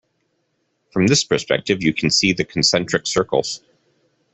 From this perspective you can see the concentric circles.